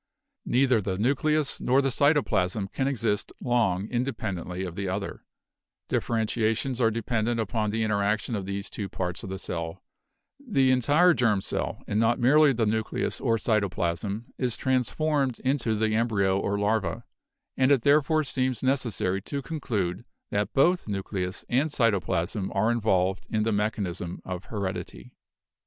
Neither the nucleus nor the cytoplasm can exist long in dependently of the other; differentiations are dependent upon the interaction of these two parts of the cell ; the entire germ cell, and not merely the nucleus or cytoplasm, is transformed into the embryo or larva; and it therefore seems necessary to conclude that both nucleus and cyto plasm are involved in the mechanism of heredity.